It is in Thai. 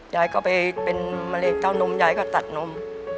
ยายก็ไปเป็นมะเร็งเต้านมยายก็ตัดนม